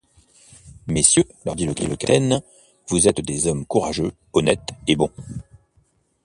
Messieurs, leur dit le capitaine, vous êtes des hommes courageux, honnêtes et bons.